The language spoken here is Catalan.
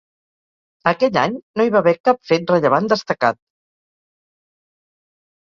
Aquell any no hi va haver cap fet rellevant destacat.